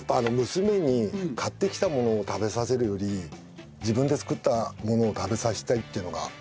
娘に買ってきたものを食べさせるより自分で作ったものを食べさせたいっていうのが。